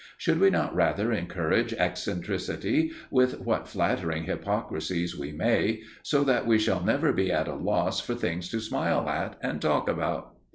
Should we not rather encourage eccentricity with what flattering hypocrisies we may, so that we shall never be at a loss for things to smile at and talk about?